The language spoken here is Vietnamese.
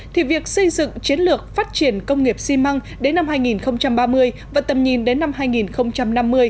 thì việc xây dựng chiến lược phát triển công nghiệp xi măng đến năm hai nghìn ba mươi và tầm nhìn đến năm hai nghìn năm mươi